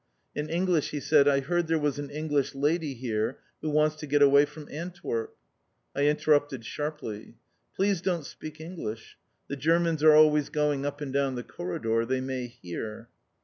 In English he said, "I heard there was an English lady here who wants to get away from Antwerp?" I interrupted sharply. "Please don't speak English! The Germans are always going up and down the corridor. They may hear!"